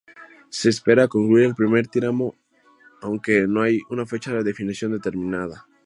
Se espera concluir el primer tramo aunque no hay una fecha de finalización determinada.